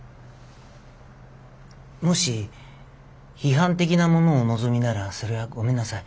もし批判的なものをお望みならそれはごめんなさい。